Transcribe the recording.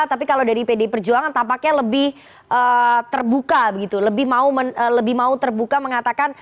tapi kalau dari pdi perjuangan tampaknya lebih terbuka begitu lebih mau terbuka mengatakan